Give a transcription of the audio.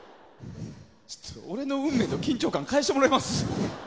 俺の「運命」の緊張感返してもらえます？